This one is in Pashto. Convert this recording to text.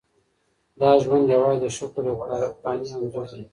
دا ژوند یوازې د شکر یو فاني انځور دی.